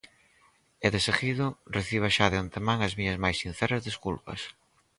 E deseguido, reciba xa de antemán as miñas máis sinceras desculpas.